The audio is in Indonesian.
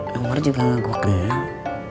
nomor juga gak gue kenal